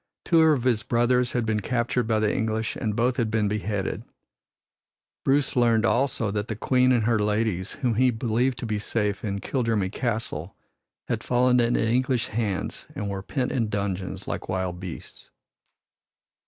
Two of his brothers had been captured by the English and both had been beheaded. Bruce learned also that the Queen and her ladies whom he believed to be safe in Kildrummy Castle had fallen into English hands and were pent in dungeons like wild beasts.